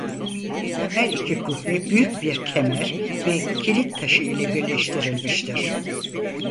Her iki kubbe büyük bir kemer ve kilit taşı ile birleştirilmiştir.